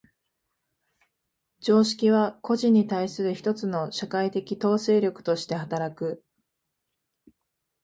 常識は個人に対する一つの社会的統制力として働く。